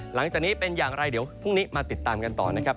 หลังจากนี้เป็นอย่างไรเดี๋ยวพรุ่งนี้มาติดตามกันต่อนะครับ